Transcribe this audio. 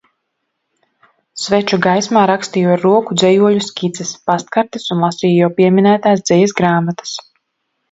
Sveču gaismā rakstīju ar roku dzejoļu skices, pastkartes un lasīju jau pieminētās dzejas grāmatas.